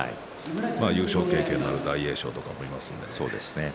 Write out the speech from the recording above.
優勝経験のある大栄翔もいますので。